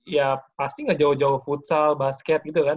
ya pasti gak jauh jauh futsal basket gitu kan